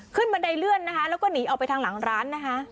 บันไดเลื่อนนะคะแล้วก็หนีออกไปทางหลังร้านนะคะ